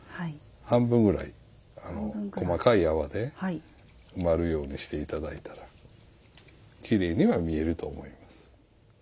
半分ぐらい細かい泡で回るようにして頂いたらきれいには見えると思います。